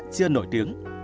chưa nổi tiếng